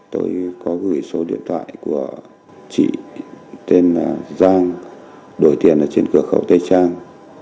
tôi có gửi số điện thoại của chị tên giang đổi tiền ở trên cửa khẩu tây trang